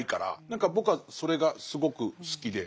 何か僕はそれがすごく好きで。